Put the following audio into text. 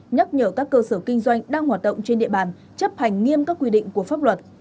nhắc nhở các cơ sở kinh doanh đang hoạt động trên địa bàn chấp hành nghiêm các quy định của pháp luật